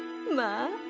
まあ。